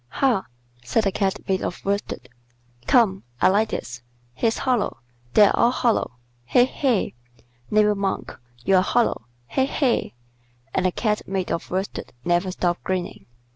"Ha!" said the Cat made of worsted. "Come. I like this. He's hollow. They're all hollow. He! he! Neighbor Monk, you're hollow. He! he!" and the Cat made of worsted never stopped grinning.